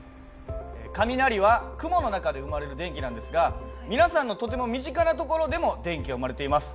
雷は雲の中で生まれる電気なんですが皆さんのとても身近な所でも電気は生まれています。